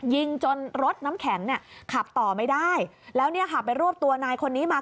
ยิงจนรถน้ำแข็งเนี่ยขับต่อไม่ได้แล้วเนี่ยค่ะไปรวบตัวนายคนนี้มา